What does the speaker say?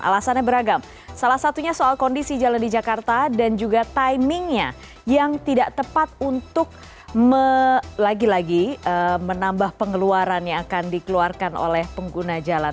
alasannya beragam salah satunya soal kondisi jalan di jakarta dan juga timingnya yang tidak tepat untuk lagi lagi menambah pengeluaran yang akan dikeluarkan oleh pengguna jalan